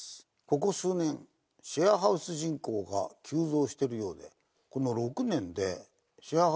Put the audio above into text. ここ数年シェアハウス人口が急増してるようで。